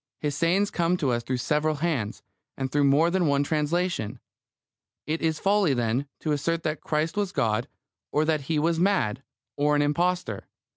His sayings come to us through several hands, and through more than one translation. It is folly, then, to assert that Christ was God, or that He was mad, or an impostor.